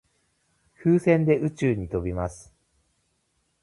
風船で宇宙に飛びます。